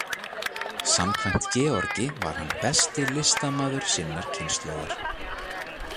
Samkvæmt Georgi var hann besti listamaður sinnar kynslóðar.